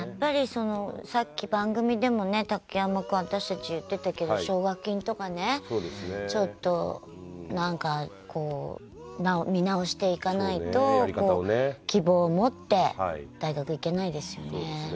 さっき番組でも竹山君、私たち言ってたけど奨学金とかねちょっと見直していかないと希望を持って大学へいけないですね。